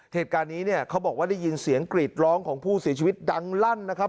เหตุการณ์นี้เนี่ยเขาบอกว่าได้ยินเสียงกรีดร้องของผู้เสียชีวิตดังลั่นนะครับ